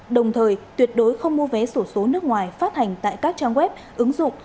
đồng thời tuyệt đối không mua vé sổ số nước ngoài phát hành tại các trang web ứng dụng